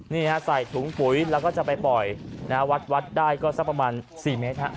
นี่ฮะใส่ถุงปุ๋ยแล้วก็จะไปปล่อยนะฮะวัดวัดได้ก็สักประมาณ๔เมตรฮะ